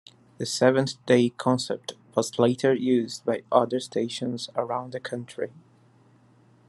The "Seventh Day" concept was later used by other stations around the country.